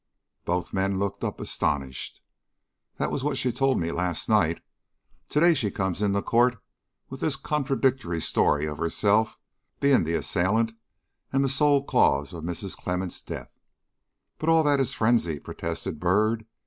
Both men looked up astonished. "That was what she told me last night. To day she comes into court with this contradictory story of herself being the assailant and sole cause of Mrs. Clemmens' death." "But all that is frenzy," protested Byrd.